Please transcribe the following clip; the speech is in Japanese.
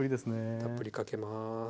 たっぷりかけます。